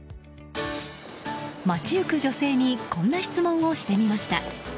街行く女性にこんな質問をしてみました。